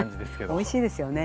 おいしいですよね。